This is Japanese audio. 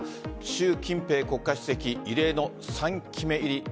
習近平国家主席異例の３期目入り。